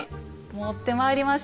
持ってまいりました。